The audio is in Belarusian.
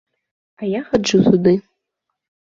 А я хаджу туды.